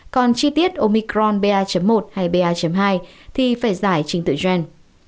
còn chi tiết omicron ba một hay ba hai thì phải giải trình tự gen